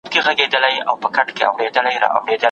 تاسو د بشري حقونو ساتنه وکړه.